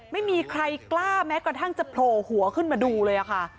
ไม่มีใครกล้าแม้กระทั่งจะโผล่หัวขึ้นมาดูเลยค่ะ